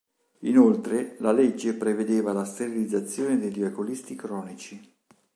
Inoltre la legge prevedeva la sterilizzazione degli alcolisti cronici.